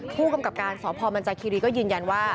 ผู้กำกับการสอบภรรณ์มันจักรีก็ยืนยันว่า